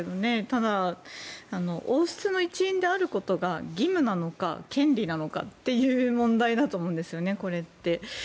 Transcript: ただ、王室の一員であることが義務なのか権利なのかという問題だと思うんですよねこれって。